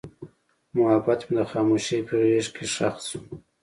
محبت مې د خاموشۍ په غېږ کې ښخ شو.